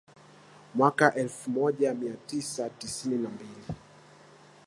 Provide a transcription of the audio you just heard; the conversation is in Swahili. mwaka elfu moja mia tisa tisini na mbili